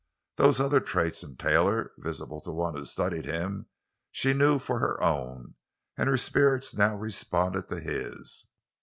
Those other traits in Taylor—visible to one who studied him—she knew for her own; and her spirits now responded to his.